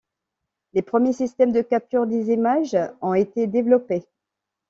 Les premiers systèmes de capture des images ont été développés.